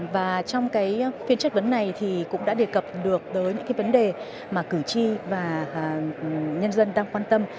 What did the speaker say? và trong phiên chất vấn này thì cũng đã đề cập được tới những cái vấn đề mà cử tri và nhân dân đang quan tâm